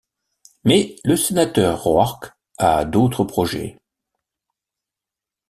Mais le sénateur Roark a d'autres projets.